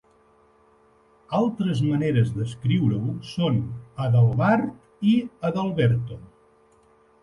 Altres maneres d'escriure-ho són Adelbart i Adalberto.